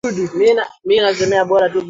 anayefikiri kwamba kuna athari